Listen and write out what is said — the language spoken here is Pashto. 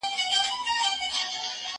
زه اجازه لرم چي تمرين وکړم!؟